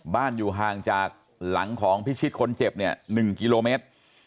อยู่ห่างจากหลังของพิชิตคนเจ็บเนี่ย๑กิโลเมตร